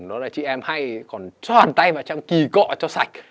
nó là chị em hay còn tròn tay vào trong kì cọ cho sạch